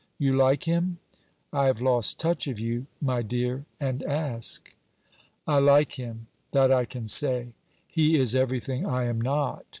'You like him? I have lost touch of you, my dear, and ask.' 'I like him: that I can say. He is everything I am not.